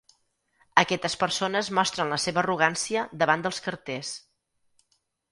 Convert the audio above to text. Aquestes persones mostren la seva arrogància davant dels carters.